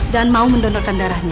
dan mau mendonorkan darahnya